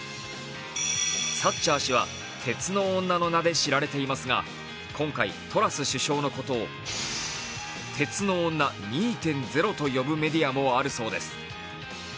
サッチャー氏は鉄の女の名で知られていますが今回、トラス首相のことを鉄の女２．０と呼ぶメディアもあるそうです。